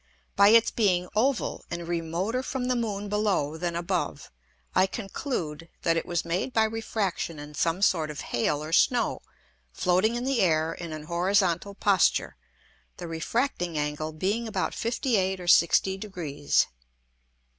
By its being oval and remoter from the Moon below than above, I conclude, that it was made by Refraction in some sort of Hail or Snow floating in the Air in an horizontal posture, the refracting Angle being about 58 or 60 Degrees. THE THIRD BOOK OF OPTICKS _PART I.